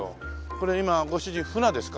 これ今ご主人フナですか？